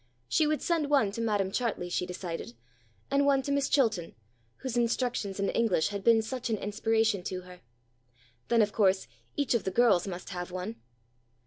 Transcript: She would send one to Madam Chartley, she decided, and one to Miss Chilton, whose instructions in English had been such an inspiration to her. Then, of course, each one of the girls must have one.